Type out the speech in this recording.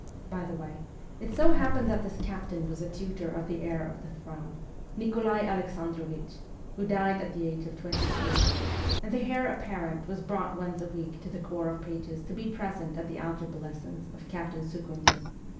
By the way, it so happened that this captain was a tutor of the heir of the throne (Nikolai Alexandrovich, who died at the age of twenty two), and the heir apparent was brought once a week to the corps of pages to be present at the algebra lessons of Captain Sukhonin.